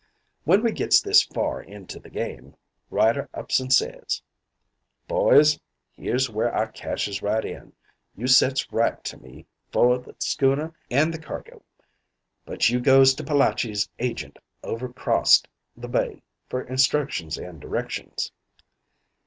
"When we gits this far into the game Ryder ups and says: "'Boys, here's where I cashes right in. You sets right to me for the schooner and the cargo. But you goes to Palachi's agent over 'crost the bay for instructions and directions.'